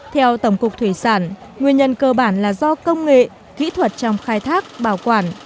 theo tổng cục thủy sản nguyên nhân cơ bản là do công nghệ kỹ thuật trong khai thác bảo quản